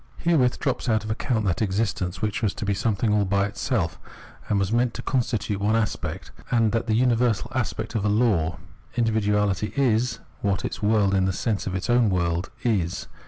Herewith drops out of account that existence which was to be something aU by itself, and was meant to con Observation of Self consciousness ^95 Stitute one aspect, and that the universal aspect, of a law. Individuality is what its world, in the sense of its own world, is.